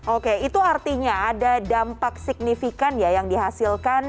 oke itu artinya ada dampak signifikan ya yang dihasilkan